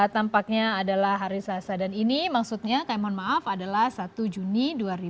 tampaknya adalah hari selasa dan ini maksudnya kami mohon maaf adalah satu juni dua ribu dua puluh